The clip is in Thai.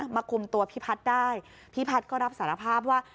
คุมตัวพี่พัฒน์ได้พี่พัฒน์ก็รับสารภาพว่า